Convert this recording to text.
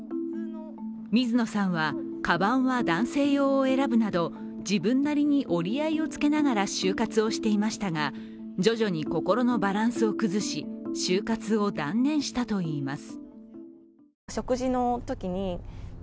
水野さんはかばんは男性用を選ぶなど自分なりに折り合いをつけながら就活をしていましたが、徐々に心のバランスを崩し、就活を断念したといいます。